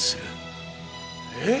えっ！？